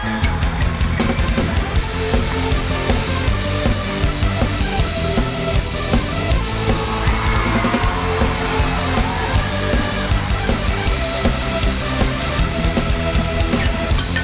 โฮหยว่าเดือกเดือก